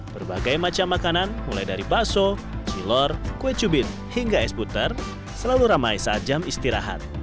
berbagai macam makanan mulai dari bakso kilor kue cubit hingga es puter selalu ramai saat jam istirahat